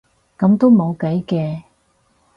噉都冇計嘅